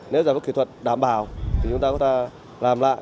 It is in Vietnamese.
nếu giải pháp kỹ thuật đảm bảo thì chúng ta có thể làm lại